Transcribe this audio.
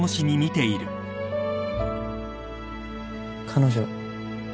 彼女。